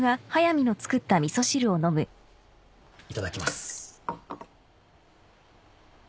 いただきます。